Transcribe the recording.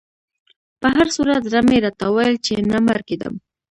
په هر صورت زړه مې راته ویل چې نه مړ کېدم.